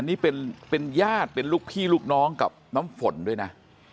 นี่เป็นญาติเป็นลูกพี่ลูกน้องกับน้ำฝนด้วยนะ